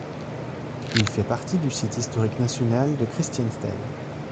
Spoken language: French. Il fait partie du Site historique national de Christiansted.